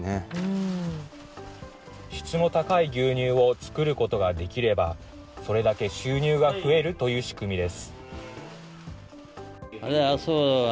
質の高い牛乳を作ることができれば、それだけ収入が増えるという仕組みです。